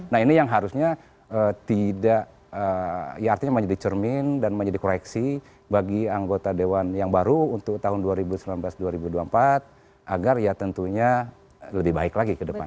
nah ini yang harusnya tidak ya artinya menjadi cermin dan menjadi koreksi bagi anggota dewan yang baru untuk tahun dua ribu sembilan belas dua ribu dua puluh empat agar ya tentunya lebih baik lagi ke depan